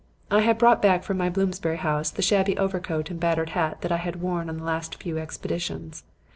"I had brought back from my Bloomsbury house the shabby overcoat and battered hat that I had worn on the last few expeditions.